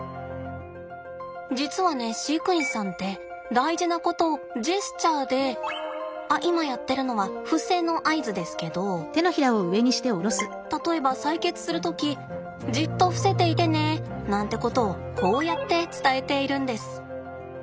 実はね飼育員さんって大事なことをジェスチャーであっ今やってるのは伏せの合図ですけど例えば採血する時「じっと伏せていてね」なんてことをこうやって伝えているんです。